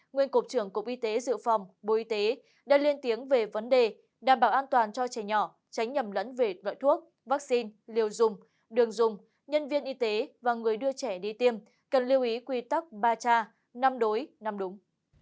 nguyên cục trưởng cục y tế dự phòng bộ y tế đã lên tiếng về vấn đề đảm bảo an toàn cho trẻ nhỏ tránh nhầm lẫn về loại thuốc vaccine liều dùng đường dùng nhân viên y tế và người đưa trẻ đi tiêm cần lưu ý quy tắc ba cha năm đối năm đúng